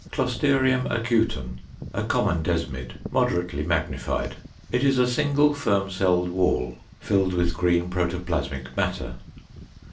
Closterium acutum, a common Desmid, moderately magnified. It is a single firm walled cell, filled with green protoplasmic matter.